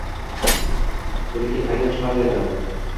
Buniki qaynab chiqaveradi.